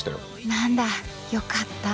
何だよかった。